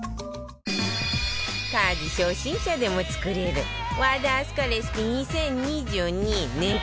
家事初心者でも作れる和田明日香レシピ２０２２年間